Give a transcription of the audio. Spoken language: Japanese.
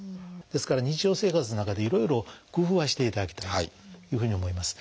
ですから日常生活の中でいろいろ工夫はしていただきたいというふうに思います。